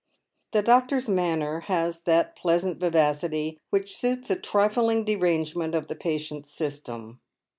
The doctor's manner has that plea sant vivacity which suits a trifling derangement of the patient's system.